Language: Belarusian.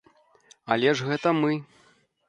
Але ж гэта мы.